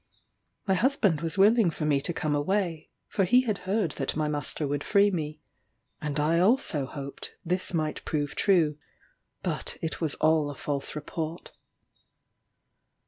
My husband was willing for me to come away, for he had heard that my master would free me, and I also hoped this might prove true; but it was all a false report.